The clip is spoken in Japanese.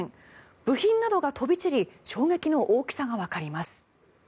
部品などが飛び散り衝撃の大きさがわかります。